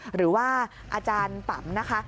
หรือว่าอาจารย์ปัมนะคะ